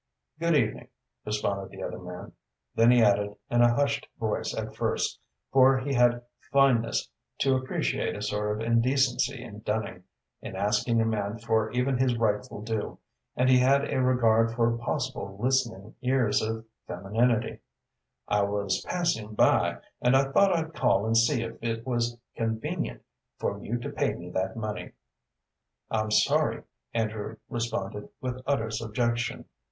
"Good evening," responded the other man. Then he added, in a hushed voice at first, for he had fineness to appreciate a sort of indecency in dunning, in asking a man for even his rightful due, and he had a regard for possible listening ears of femininity, "I was passing by, and I thought I'd call and see if it was convenient for you to pay me that money." "I'm sorry," Andrew responded, with utter subjection.